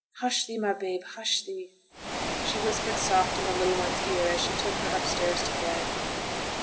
Hush thee, my babe, hush thee!' She whispered soft in the little one's ear as she took her upstairs to bed.